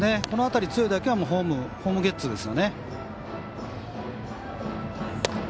この辺りの強い打球はホームゲッツーですね。